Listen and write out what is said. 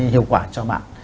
hiệu quả cho bạn